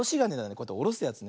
こうやっておろすやつ。